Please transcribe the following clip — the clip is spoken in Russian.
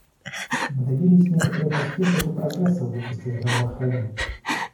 Мы добились некоторых успехов и прогресса в области здравоохранения.